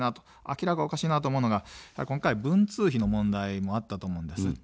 明らかにおかしいなと思うのが今回、文通費の問題もあったと思います。